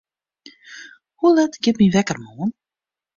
Hoe let giet myn wekker moarn?